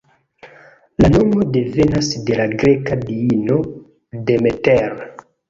La nomo devenas de la greka diino Demeter.